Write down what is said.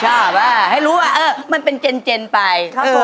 ชอบอะให้รู้ว่ามันเป็นเจนไป